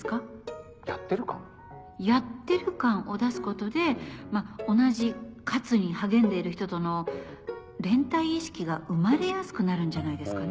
やってる感を出すことで同じ「活」に励んでいる人との連帯意識が生まれやすくなるんじゃないですかね。